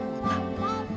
hehehe doang bijit buta